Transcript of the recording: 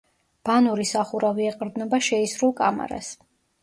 ბანური სახურავი ეყრდნობა შეისრულ კამარას.